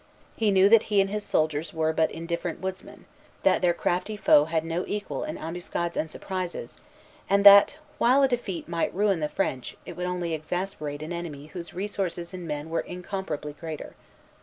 He knew that he and his soldiers were but indifferent woodsmen; that their crafty foe had no equal in ambuscades and surprises; and that, while a defeat might ruin the French, it would only exasperate an enemy whose resources in men were incomparably greater.